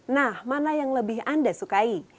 nah mana yang lebih anda sukai